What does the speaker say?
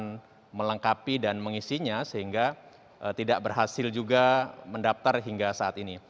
yang melengkapi dan mengisinya sehingga tidak berhasil juga mendaftar hingga saat ini